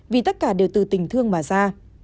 vì tất cả đều từ tình thương mà ra